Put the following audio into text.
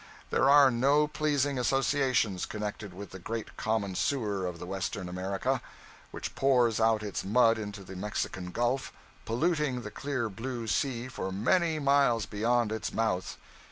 There are no pleasing associations connected with the great common sewer of the Western America, which pours out its mud into the Mexican Gulf, polluting the clear blue sea for many miles beyond its mouth.